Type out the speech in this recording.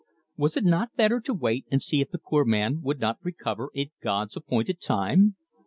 Was it not better to wait and see if the poor man would not recover in God's appointed time?